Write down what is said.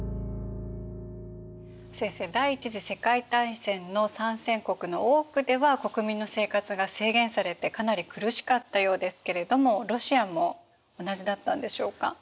先生第一次世界大戦の参戦国の多くでは国民の生活が制限されてかなり苦しかったようですけれどもロシアも同じだったんでしょうか？